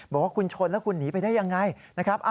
บอกว่าคุณชนแล้วคุณหนีไปได้ยังไงนะครับ